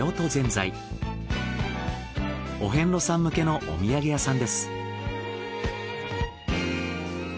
お遍路さん向けのお土産屋さんです。